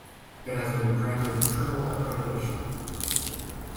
It has been granted Triple Accreditation.